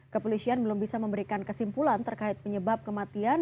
kepolisian belum bisa memberikan kesimpulan terkait penyebab kematian